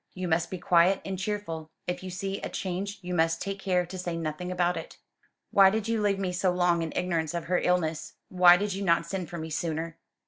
You must be quiet and cheerful. If you see a change you must take care to say nothing about it." "Why did you leave me so long in ignorance of her illness? Why did you not send for me sooner?"